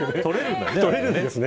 取れるんですね。